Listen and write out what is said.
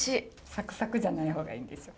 サクサクじゃない方がいいんですよ。